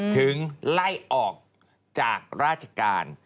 ถึงไล่ออกจากราชการ